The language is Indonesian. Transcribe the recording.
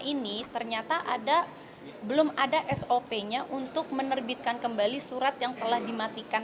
ini ternyata ada belum ada sop nya untuk menerbitkan kembali surat yang telah dimatikan